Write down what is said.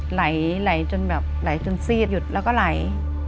ไหลจนแบบไหลจนซีดหยุดแล้วก็ไหล